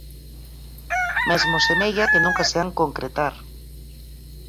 Mesmo semella que nunca se han concretar.